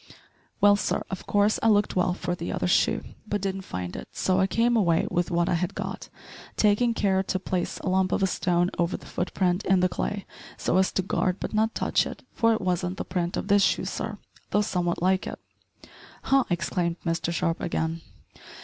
"Well, sir, of course I looked well for the other shoe, but didn't find it; so I came away with what I had got, takin' care to place a lump of a stone over the foot print in the clay, so as to guard but not touch it, for it wasn't the print of this shoe, sir, though somewhat like it." "Ha!" exclaimed Mr Sharp again.